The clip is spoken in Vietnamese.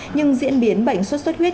nhưng diễn biến bệnh sốt sốt huyết